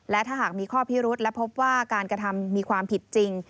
และถ้าหากมีข้อพิรุษและพบว่าการกระทำมีความผิดจริง